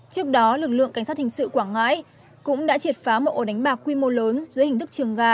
trước đó lực lượng cảnh sát hình sự quảng ngãi cũng đã triệt phá một ổ đánh bạc quy mô lớn dưới hình thức trường ga